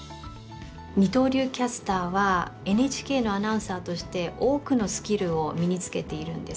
二刀流キャスターはＮＨＫのアナウンサーとして多くのスキルを身につけているんですね。